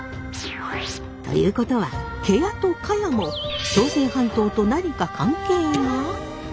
ということは芥屋と可也も朝鮮半島と何か関係が？